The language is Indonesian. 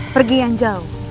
pergi yang jauh